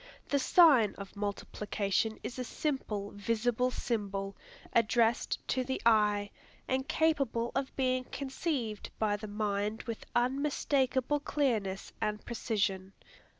The sign of multiplication is a simple, visible symbol, addressed to the eye, and capable of being conceived by the mind with unmistakable clearness and precision.